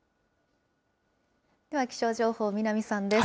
では気象情報、南さんです。